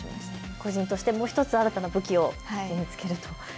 個人としてもう１つ新たな武器を身につけると。